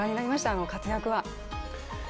あの活躍は。